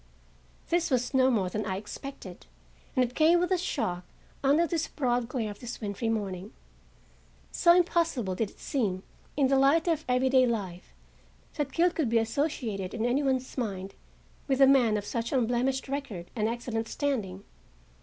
This was no more than I expected, yet it came with a shock under the broad glare of this wintry morning; so impossible did it seem in the light of every day life that guilt could be associated in any one's mind with a man of such unblemished record and excellent standing.